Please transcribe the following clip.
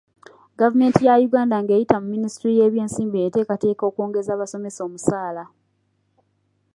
Gavumenti ya Uganda ng'eyita mu minisitule y'ebyensimbi eteekateeka okwongeza abasomesa omusaala.